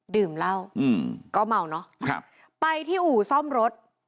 ดื่มเหล้าอืมก็เมาเนอะครับไปที่อู่ซ่อมรถ